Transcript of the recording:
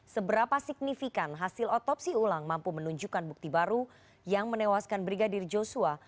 seberapa signifikan hasil otopsi ulang mampu menunjukkan bukti baru yang menewaskan brigadir joshua